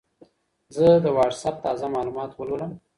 زه د وټساپ تازه معلومات ولولم.